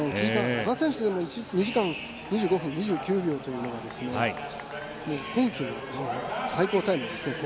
野田選手でも２時間２５分２９秒というのは今季の最高タイムですね。